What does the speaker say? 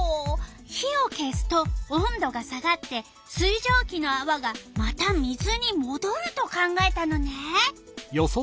火を消すと温度が下がって水じょうきのあわがまた水にもどると考えたのね。